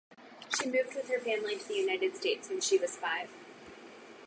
She moved with her family to the United States when she was five.